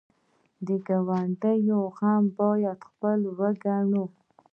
د ګاونډي غم باید خپل وګڼو